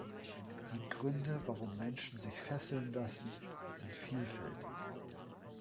Die Gründe, warum Menschen sich fesseln lassen, sind vielfältig.